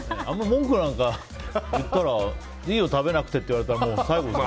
文句なんかいったらいいよ、食べなくてって言われたら最後です。